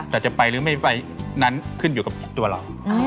แต่จะไปหรือไม่ไปนั้นขึ้นอยู่กับตัวเรา